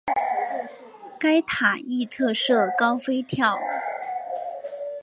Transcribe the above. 该塔亦特设高飞跳。